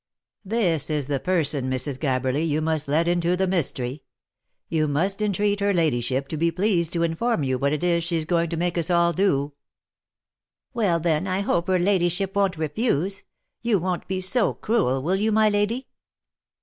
" This is the person, Mrs. Gabberly, who must let you into the mystery. You must entreat her ladyship to be pleased to inform you what it is she is going to make us all do." " Well then, I hope her ladyship won't refuse. You won't be so cruel, will you, my lady